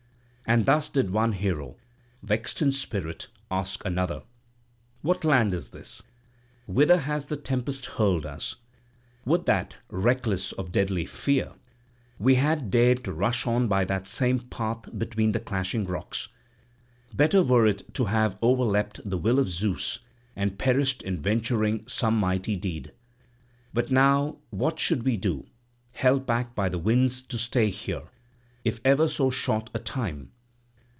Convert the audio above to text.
And thus did one hero, vexed in spirit, ask another: "What land is this? Whither has the tempest hurled us? Would that, reckless of deadly fear, we had dared to rush on by that same path between the clashing rocks! Better were it to have overleapt the will of Zeus and perished in venturing some mighty deed. But now what should we do, held back by the winds to stay here, if ever so short a time?